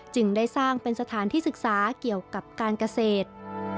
จึงได้สร้างเป็นสถานที่ศึกษาเกี่ยวกับการเกษตร